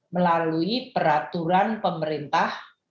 melalui peraturan pemerintah